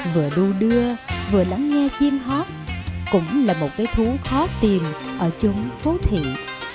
vừa đu đưa vừa lắng nghe chim hót cũng là một cái thú khó tìm ở chốn phố thiện